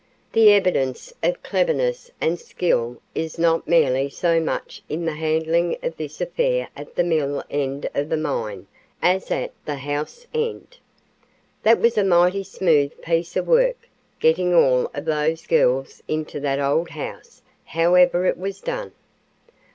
The evidence of cleverness and skill is not nearly so much in the handling of this affair at the mill end of the mine as at the house end. That was a mighty smooth piece of work, getting all of those girls into that old house, however it was done.